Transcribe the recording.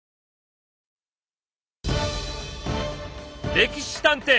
「歴史探偵」。